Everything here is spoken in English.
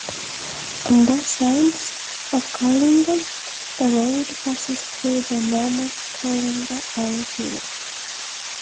On both sides of Coalinga the road passes through the enormous Coalinga Oil Field.